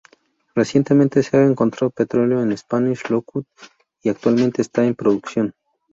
Recientemente se ha encontrado petróleo en Spanish Lookout y actualmente está en producción.